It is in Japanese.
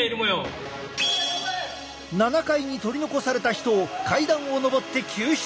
７階に取り残された人を階段を上って救出！